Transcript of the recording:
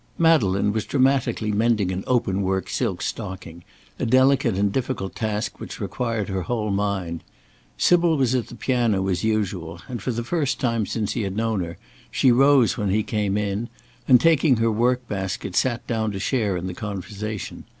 Madeleine was dramatically mending an open work silk stocking, a delicate and difficult task which required her whole mind. Sybil was at the piano as usual, and for the first time since he had known her, she rose when he came in, and, taking her work basket, sat down to share in the conversation.